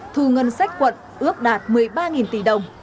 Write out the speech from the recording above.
thu ngân sách quận ước đạt một mươi ba tỷ đồng